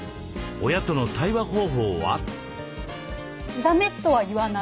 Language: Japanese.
親との対話方法は？